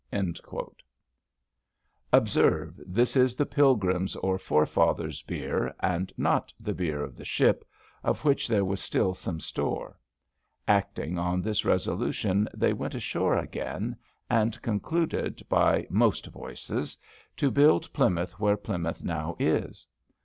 Observe, this is the Pilgrims' or Forefathers' beer, and not the beer of the ship, of which there was still some store. Acting on this resolution they went ashore again, and concluded by "most voices" to build Plymouth where Plymouth now is.